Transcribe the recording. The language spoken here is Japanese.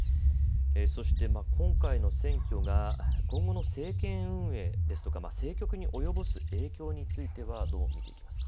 そして今回の選挙が今後の政権運営ですとか政局に及ぼす影響についてはどう見ていきますか。